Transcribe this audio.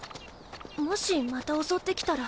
もしまた襲ってきたら。